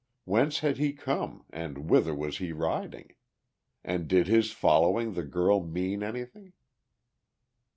Whence had he come and whither was he riding? And did his following the girl mean anything?